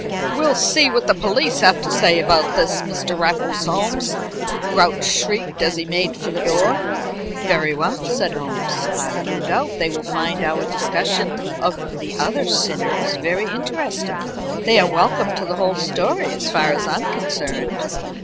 "We'll see what the police have to say about this, Mr. Raffles Holmes," Grouch shrieked, as he made for the door. "Very well," said Holmes. "I've no doubt they will find our discussion of the other sinners very interesting. They are welcome to the whole story as far as I am concerned."